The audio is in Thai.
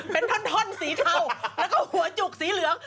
เป็นท่อนสีเทาแล้วก็หัวจุกสีเหลือง